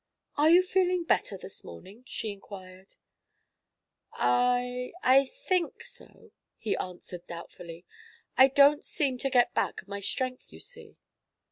"Are you feeling better this morning?" she inquired. "I I think so," he answered doubtfully. "I don't seem to get back my strength, you see."